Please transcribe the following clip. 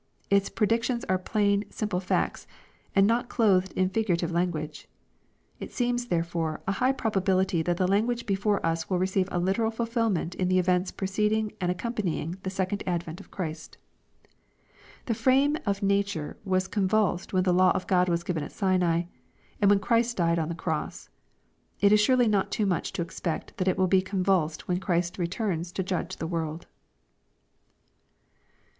Its predic tions are plain, simple facts, and not clothed in figurative language. It seems, therefore, a high probability that the language before us will receive a literal fulfilment in the events preceding and accom panying the second advent of Christ The frame of nature was convulsed when the law of Q od was given at Sinai, and when Christ died on the cross. It is surely not too much to expect that it wiU be convulsed when Christ returns to judge the world.